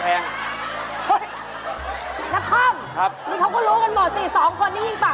นักคอมนี่เขาก็รู้กันหมดสิ๒คนที่ยิงปากละโกงอยู่